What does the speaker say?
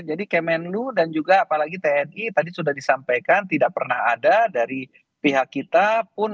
jadi kemenlu dan juga apalagi tni tadi sudah disampaikan tidak pernah ada dari pihak kita pun